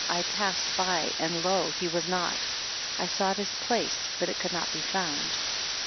I passed by, and lo! he was not; I sought his place, but it could not be found.